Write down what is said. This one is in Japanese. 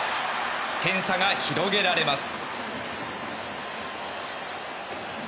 点差が広げられます。